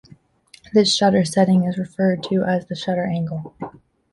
This shutter setting is referred to as the shutter angle.